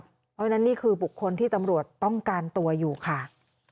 เพราะฉะนั้นนี่คือบุคคลที่ตำรวจต้องการตัวอยู่ค่ะ